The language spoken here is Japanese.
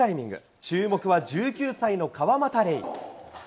注目は１９歳の川又玲瑛。